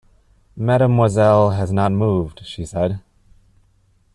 "Mademoiselle has not moved," she said.